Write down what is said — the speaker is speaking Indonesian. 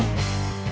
gak ada apa apa